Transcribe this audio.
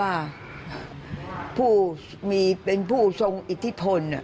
ว่าผู้มีเป็นผู้ทรงอิทธิพล